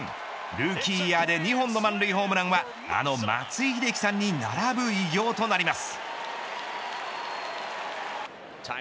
ルーキーイヤーで２本の満塁ホームランはあの松井秀喜さんに並ぶ偉業となります。